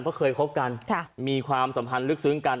เพราะเคยคบกันมีความสัมพันธ์ลึกซึ้งกัน